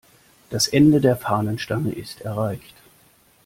Das Ende der Fahnenstange ist erreicht.